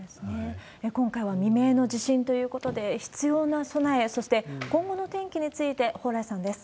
今回は未明の地震ということで、必要な備え、そして今後の天気について、蓬莱さんです。